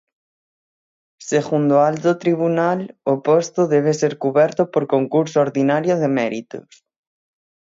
Segundo o alto tribunal, o posto debe ser cuberto por concurso ordinario de méritos.